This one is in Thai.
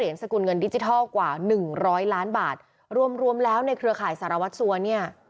ร้อยล้านบาทรวมรวมแล้วในเครือข่ายสระวัตซัวร์เนี่ย